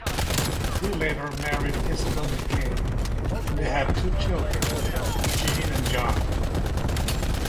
He later married Isabel MacKay and they had two children: Jean and John.